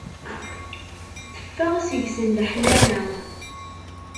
Teffeɣ seg-sen leḥnana.